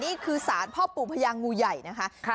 นี่คือสารพ่อปู่พญางูใหญ่นะคะ